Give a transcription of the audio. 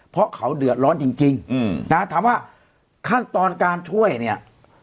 เพราะเขาเดือดร้อนจริงนะถามว่าขั้นตอนการช่วยเนี่ย